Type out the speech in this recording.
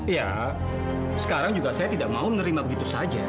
ya sekarang juga saya tidak mau menerima begitu saja